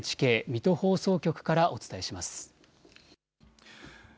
水戸放送局からお伝えします。